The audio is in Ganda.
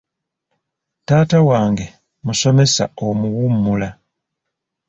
Taata wange musomesa omuwummula.